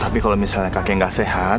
tapi kalau misalnya kakek nggak sehat